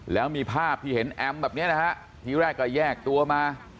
แล้วมีภาพที่เห็นแอมแบบนี้นะฮะทีแรกก็แยกตัวมา